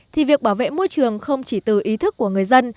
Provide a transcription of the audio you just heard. thì việc bảo vệ môi trường không chỉ từ ý thức của người dân